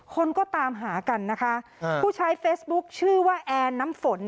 คนก็ตามหากันนะคะผู้ใช้เฟซบุ๊คชื่อว่าแอนน้ำฝน